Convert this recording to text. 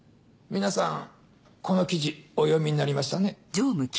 皆さんこの記事お読みになりましたね？